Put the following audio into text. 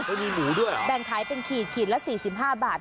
เฮ้ยมีหมูด้วยเหรอแบ่งขายเป็นขีดขีดละสี่สิบห้าบาท